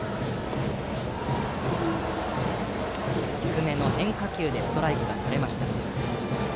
低めの変化球でストライクがとれました。